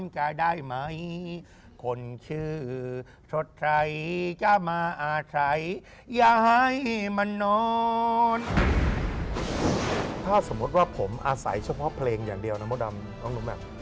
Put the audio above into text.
ถ้าสมมุติว่าผมอาศัยเฉพาะเพลงอย่างเดียวนะมดดำน้องหนูแบบ